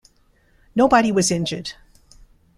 Nobody was injured.